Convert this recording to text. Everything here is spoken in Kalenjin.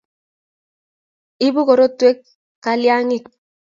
Ibu korotwek kalyangik